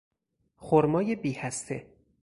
خرمای بیهسته